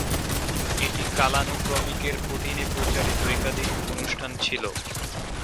এটি কালানুক্রমিকের অধীনে প্রচারিত একাদশ অনুষ্ঠান ছিল।